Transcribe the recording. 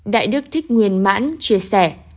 đại đức thích nguyên mãn chia sẻ